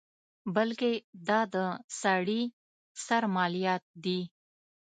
بلکې دا د سړي سر مالیات دي.